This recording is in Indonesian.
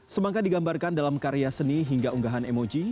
semangka digambarkan dalam karya seni hingga unggahan emoji